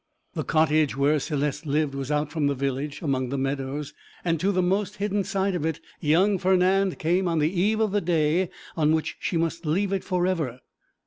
The cottage where Céleste lived was out from the village, among the meadows, and to the most hidden side of it young Fernand came on the eve of the day on which she must leave it for ever.